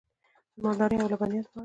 د مالدارۍ او لبنیاتو په اړه: